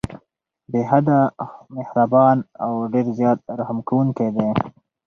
بې حده مهربان او ډير زيات رحم لرونکی دی